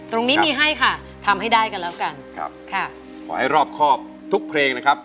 ทำให้ได้กันแล้วกันขอให้รอบครอบทุกเพลงนะครับ